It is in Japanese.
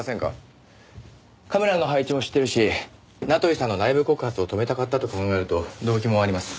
カメラの配置も知ってるし名取さんの内部告発を止めたかったと考えると動機もあります。